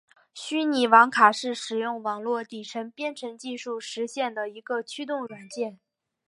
虚拟网卡是使用网络底层编程技术实现的一个驱动软件。